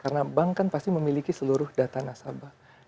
karena bank kan pasti memiliki seluruh data nasabah